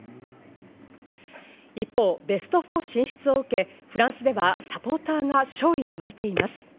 一方、ベスト４進出を受け、フランスではサポーターが勝利にわいています。